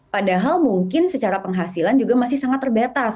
padahal mungkin secara penghasilan juga masih sangat terbatas